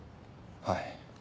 はい。